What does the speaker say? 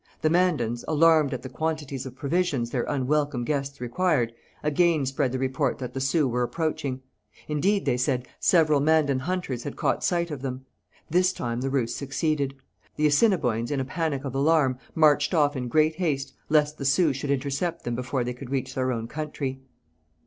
The Mandans, alarmed at the quantities of provisions their unwelcome guests required, again spread the report that the Sioux were approaching. Indeed, they said, several Mandan hunters had caught sight of them. This time the ruse succeeded. The Assiniboines, in a panic of alarm, marched off in great haste, lest the Sioux should intercept them before they could reach their own country.